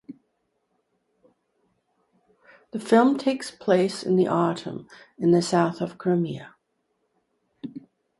The film takes place in the autumn in the south of Crimea.